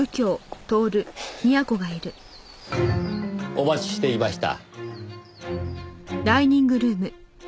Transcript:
お待ちしていました。